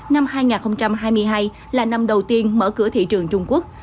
năm hai nghìn hai mươi hai là năm đầu tiên mở cửa thị trường trung quốc